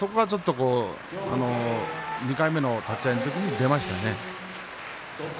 それが２回目の立ち合いの時に出ましたね。